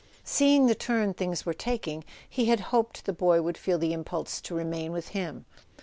Seeing the turn things were taking, he had hoped the boy would feel the impulse to remain with him.